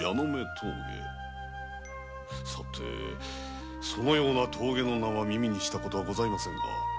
さてそのような名は耳にしたことはございませんが。